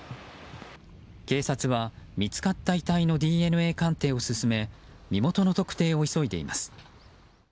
警察は、見つかった遺体のＤＮＡ鑑定を進め身元の特定を急いでいます。